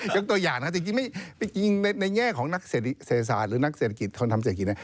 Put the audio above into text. ยกตัวอย่างนะครับจริงในแง่ของนักเศรษฐศาสตร์หรือนักเศรษฐกิจคนทำเศรษฐกิจ